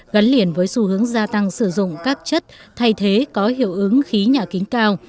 gắn liền với xu hướng gia tăng sử dụng các chất thay thế có hiệu ứng khí nhà kính cao